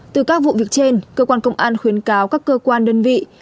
từ các vụ việc trên cơ quan công an khuyến cáo các cơ quan đơn vị